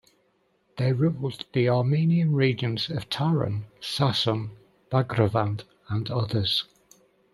They ruled the Armenian regions of Taron, Sasun, Bagrevand and others.